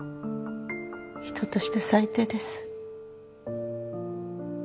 人として最低です。